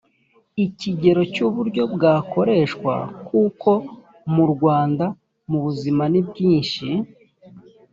ikigero cy uburyo bwakoreshwa koko murwanda mubuzima nibwinshi